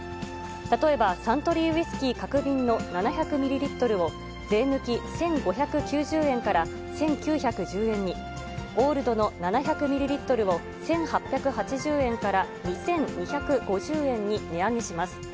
例えばサントリーウイスキー角瓶の７００ミリリットルを、税抜き１５９０円から１９１０円に、オールドの７００ミリリットルを、１８８０円から２２５０円に値上げします。